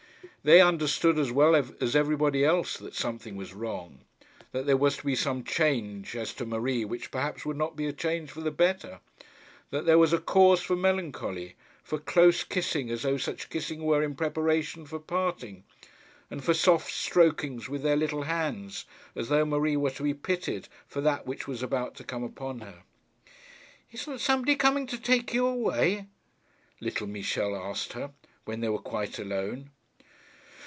They understood as well as everybody else that something was wrong, that there was to be some change as to Marie which perhaps would not be a change for the better; that there was cause for melancholy, for close kissing as though such kissing were in preparation for parting, and for soft strokings with their little hands as though Marie were to be pitied for that which was about to come upon her. 'Isn't somebody coming to take you away?' little Michel asked her, when they were quite alone.